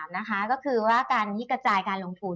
นะคะก็คือว่าการที่กระจายการลงทุน